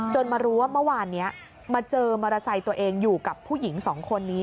มารู้ว่าเมื่อวานนี้มาเจอมอเตอร์ไซค์ตัวเองอยู่กับผู้หญิงสองคนนี้